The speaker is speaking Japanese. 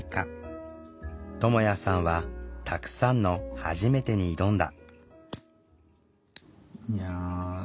ともやさんはたくさんの「はじめて」に挑んだ。